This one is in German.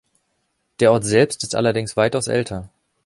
Der Ort selbst ist allerdings weitaus älter.